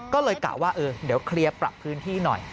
ก็เลยกะว่าเดี๋ยวเคลียร์ปรับพื้นที่หน่อย